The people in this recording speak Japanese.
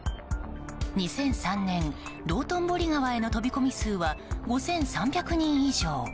２００３年、道頓堀川への飛び込み数は５３００人以上。